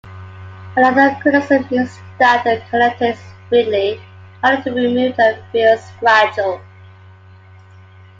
Another criticism is that the connector is fiddly, harder to remove and feels fragile.